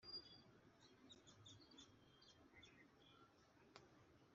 Ni yo muzamara muriho igihano cyo gukiranirwa